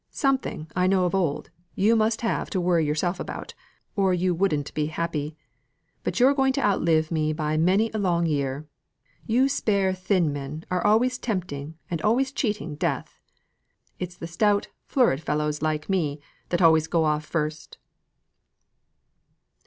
Something, I know of old, you must have to worry yourself about, or you wouldn't be happy. But you're going to outlive me by many a long year. You, spare, thin men are always tempting and always cheating Death! It's the stout, florid fellows like me, that always go off first."